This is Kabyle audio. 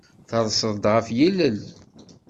Terseḍ-d ɣef yilel.